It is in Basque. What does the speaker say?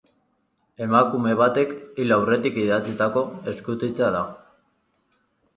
Emakume batek hil aurretik idatzitako eskutitza da.